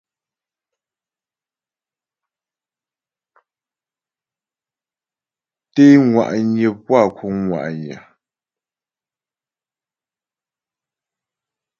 Té ŋwa'nyə puá kǔŋ ŋwa'nyə.